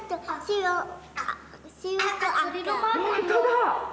本当だ！